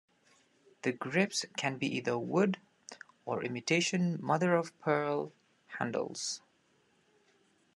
The grips can be either wood or imitation mother-of-pearl handles.